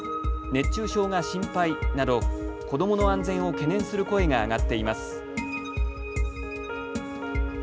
熱中症が心配など子どもの安全を懸念する声が上がっています。